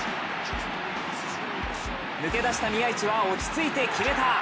抜け出した宮市は落ち着いて決めた！